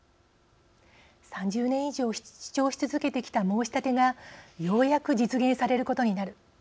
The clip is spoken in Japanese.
「３０年以上主張し続けてきた申し立てがようやく実現されることになる」